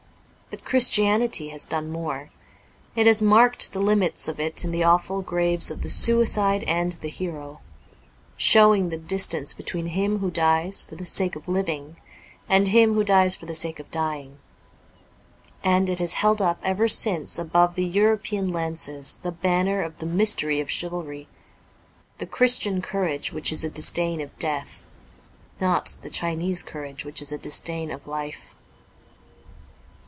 But Christianity has done more : it has marked the limits of it in the awful graves of the suicide and the hero, showing the distance between him who dies for the sake of living and him who dies for the sake of dying. And it has held up ever since above the European lances the banner of the mystery of chivalry : the Christian courage which is a disdain of death ; not the Chinese courage which is a disdain of life.